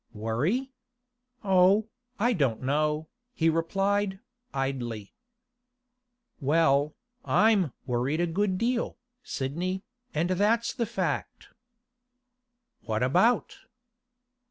'Worry? Oh, I don't know,' he replied, idly. 'Well, I'm worried a good deal, Sidney, and that's the fact.' 'What about?